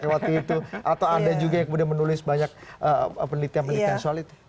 waktu itu atau anda yang juga menulis banyak penelitian penelitian soal itu